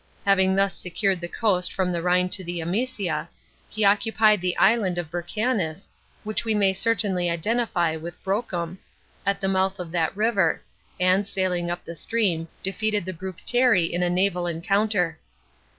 Having thus secured the coast from the Rhine to the Amisia, he occupied the island of Burchanis (which we may certainly identify with Bo knm) at the mouth of that river, and sailing np the stream, defeated the Bructeri in a naval encounter.